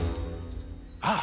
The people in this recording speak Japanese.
あっ！